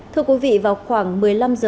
thưa quý vị vào khoảng một mươi năm h